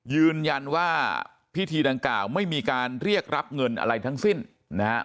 ยืนยันว่าพิธีดังกล่าวไม่มีการเรียกรับเงินอะไรทั้งสิ้นนะฮะ